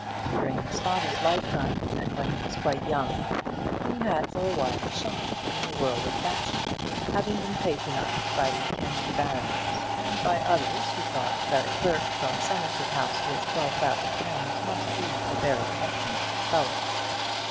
During his father's lifetime, and when he was quite young, he had for a while shone in the world of fashion, having been patronised by the Mackenzie baronet, and by others who thought that a clerk from Somerset House with twelve thousand pounds must be a very estimable fellow.